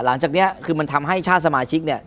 หลังจากนี้คือมันทำให้ชาติสมาชิกเนี่ย